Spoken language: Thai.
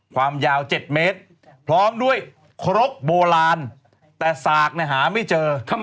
ความยาว๗เมตรพร้อมด้วยครกโบราณแต่สากเนี่ยหาไม่เจอ